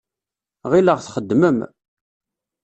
Ɣileɣ txeddmem.